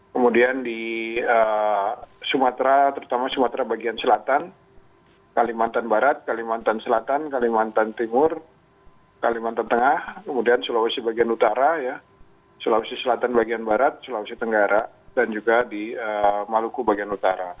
kemudian di sumatera terutama sumatera bagian selatan kalimantan barat kalimantan selatan kalimantan timur kalimantan tengah kemudian sulawesi bagian utara sulawesi selatan bagian barat sulawesi tenggara dan juga di maluku bagian utara